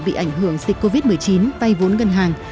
bị ảnh hưởng dịch covid một mươi chín vay vốn ngân hàng